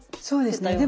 そうですね。